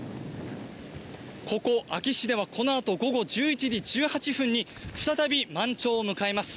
ここ安芸市では、このあと午後１１時１８分に、再び満潮を迎えます。